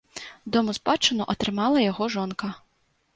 Дом у спадчыну атрымала яго жонка.